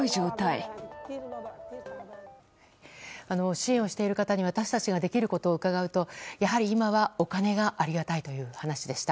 支援をしている方に私たちができることを伺うと、やはり今はお金がありがたいという話でした。